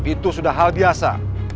itu sudah hal biasa